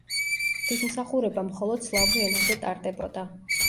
ღვთისმსახურება მხოლოდ სლავურ ენაზე ტარდებოდა.